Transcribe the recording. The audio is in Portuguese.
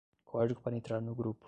Código para entrar no grupo